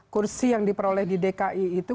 kursi yang diperoleh di dki itu